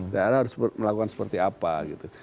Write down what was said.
daerah harus melakukan seperti apa gitu